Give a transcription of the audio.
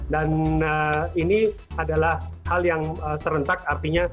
dan ini adalah hal yang serentak artinya